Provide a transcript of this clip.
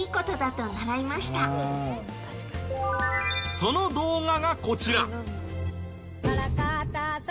その動画がこちら。